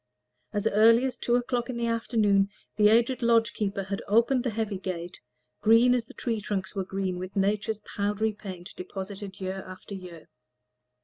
As early as two o'clock in the afternoon the aged lodge keeper had opened the heavy gate, green as the tree trunks were green with nature's powdery paint, deposited year after year.